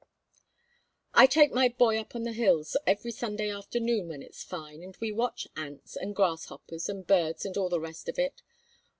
"I take my boy up on the hills every Sunday afternoon when it is fine, and we watch ants and grasshoppers and birds and all the rest of it.